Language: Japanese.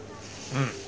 うん。